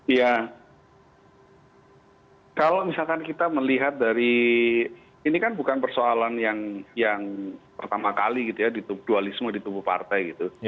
iya kalau misalkan kita melihat dari ini kan bukan persoalan yang pertama kali gitu ya di dualisme di tubuh partai gitu